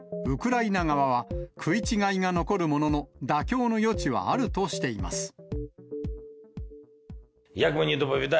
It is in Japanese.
ウクライナ側は、食い違いが残るものの、妥協の余地はあるとしています。